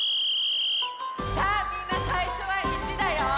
さあみんなさいしょは１だよ！